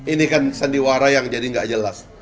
ini kan sandiwara yang jadi nggak jelas